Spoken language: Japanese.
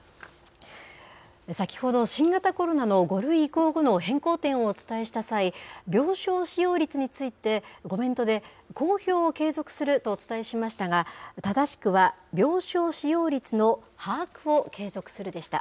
先ほど、新型コロナの５類移行後の変更点をお伝えした際、病床使用率について、コメントで、公表を継続するとお伝えしましたが、正しくは、病床使用率の把握を継続するでした。